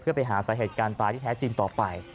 เพื่อไปหาสาเหตุการณ์ตายที่แท้จริงต่อไป